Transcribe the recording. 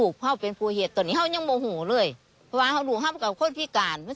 ทั้งสามสุรควารรอบการ